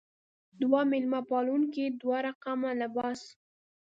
دوه میلمه پالونکې دوه رقم لباس.